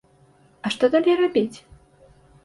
А што далей рабіць?